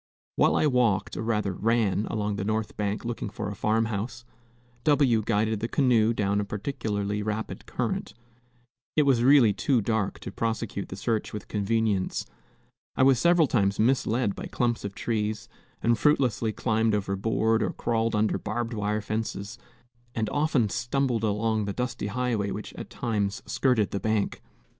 While I walked, or rather ran, along the north bank looking for a farm house, W guided the canoe down a particularly rapid current. It was really too dark to prosecute the search with convenience. I was several times misled by clumps of trees, and fruitlessly climbed over board or crawled under barbed wire fences, and often stumbled along the dusty highway which at times skirted the bank.